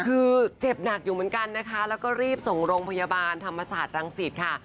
คือเจ็บหนักอยู่เหมือนกันนะคะแล้วก็รีบส่งโรงพยาบาลธรรมศาสตร์รังสิตค่ะ